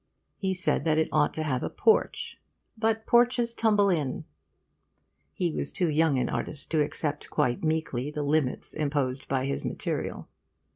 He said that it ought to have a porch 'but porches tumble in.' He was too young an artist to accept quite meekly the limits imposed by his material.